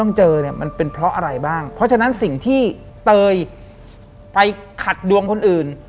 หลังจากนั้นเราไม่ได้คุยกันนะคะเดินเข้าบ้านอืม